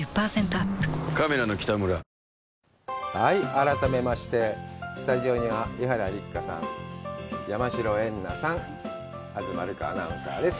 改めまして、スタジオには伊原六花さん、山代エンナさん、東留伽アナウンサーです。